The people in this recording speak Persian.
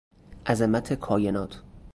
عظمت کاینات